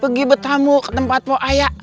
pergi bertamu ke tempat pok ayak